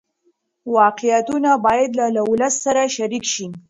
واقعیتونه باید له ولس سره شریک شي.